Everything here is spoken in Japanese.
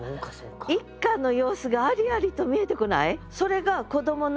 一家の様子がありありと見えてこない？